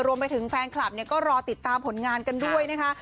รวมไปถึงแฟนคลับเนี่ยก็รอติดตามผลงานกันด้วยนะคะ